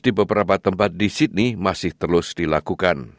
di beberapa tempat di sydney masih terus dilakukan